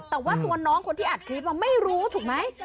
แต่ว่าตัวน้องคนที่อัดคลิปไม่รู้ถูกไหม